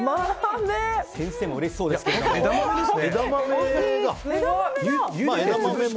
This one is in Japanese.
先生もうれしそうですけども。